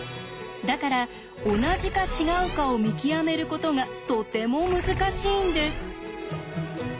だから同じか違うかを見極めることがとても難しいんです。